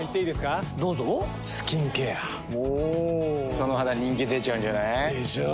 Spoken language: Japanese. その肌人気出ちゃうんじゃない？でしょう。